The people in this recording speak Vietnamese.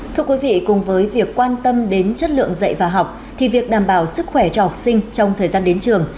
thưa quý vị cùng với việc quan tâm đến chất lượng dạy và học thì việc đảm bảo sức khỏe cho học sinh trong thời gian đến trường